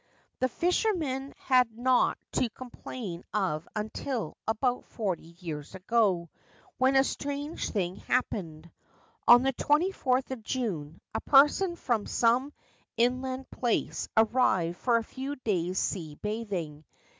The fishermen had naught to complain of until about forty years ago, when a strange thing happened. On the 24th of June, a person from some inland place arrived for a few days' sea bathing.